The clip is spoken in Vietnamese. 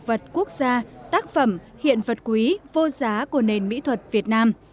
hệ thống trưng bày thường xuyên giới thiệu gần hai hiện vật tác phẩm hiện vật quý vô giá của nền mỹ thuật việt nam